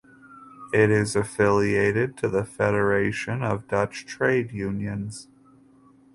It affiliated to the Federation of Dutch Trade Unions.